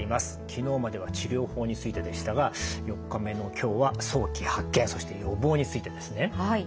昨日までは治療法についてでしたが４日目の今日は早期発見そして予防についてですね。はい。